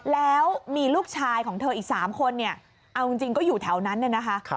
แล้วมีลูกชายของเธออีก๓คนเนี่ยเอาจริงก็อยู่แถวนั้นเนี่ยนะคะ